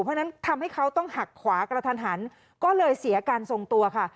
เพราะฉะนั้นทำให้เขาต้องหักขวากระทันหันก็เลยเสียการทรงตัวค่ะ